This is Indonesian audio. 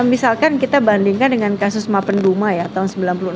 misalkan kita bandingkan dengan kasus mapan duma ya tahun sembilan puluh enam